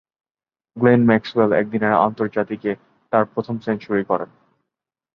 Glenn Maxwell একদিনের আন্তর্জাতিকে তার প্রথম সেঞ্চুরি করেন।